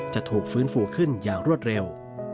จะถูกฟื้นฟูขึ้นอย่างรวดเร็ว